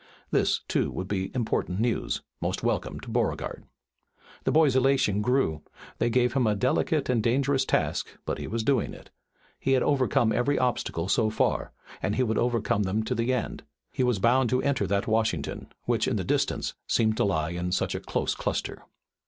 This, too, would be important news, most welcome to Beauregard. The boy's elation grew. They had given him a delicate and dangerous task, but he was doing it. He had overcome every obstacle so far, and he would overcome them to the end. He was bound to enter that Washington which, in the distance, seemed to lie in such a close cluster.